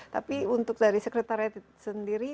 tapi untuk dari sekretariat sendiri